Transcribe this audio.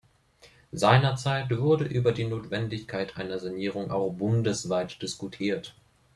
Seinerzeit wurde über die Notwendigkeit einer Sanierung auch bundesweit diskutiert.